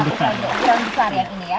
satu saja yang terbesar ya ini ya